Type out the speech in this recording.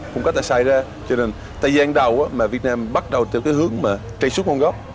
cũng có thể xảy ra cho nên tại gian đầu mà việt nam bắt đầu theo cái hướng mà trây xuất ngôn gốc